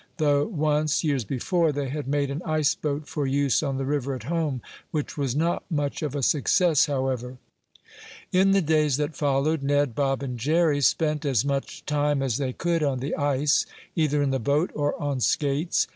Though once, years before, they had made an ice boat for use on the river at home, which was not much of a success, however. In the days that followed Ned, Bob and Jerry spent as much time as they could on the ice, either in the boat or on skates.